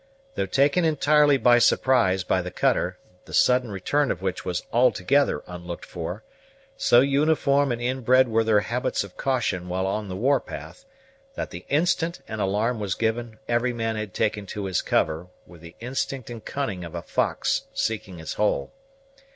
Though taken entirely by surprise by the cutter, the sudden return of which was altogether unlooked for, so uniform and inbred were their habits of caution while on the war path, that the instant an alarm was given every man had taken to his cover with the instinct and cunning of a fox seeking his hole.